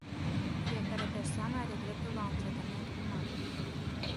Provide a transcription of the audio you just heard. Fiecare persoană are dreptul la un tratament uman.